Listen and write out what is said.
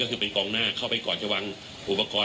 ก็คือเป็นกองหน้าเข้าไปก่อนจะวางอุปกรณ์